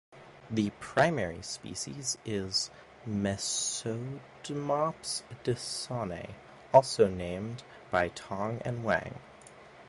The primary species is "Mesodmops dawsonae", also named by Tong and Wang.